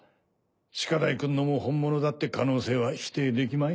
シカダイくんのも本物だって可能性は否定できまい。